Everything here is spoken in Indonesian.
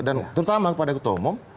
dan terutama kepada ketua umum